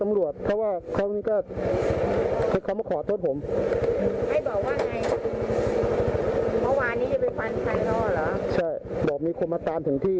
อ้าวคุณพี่คะ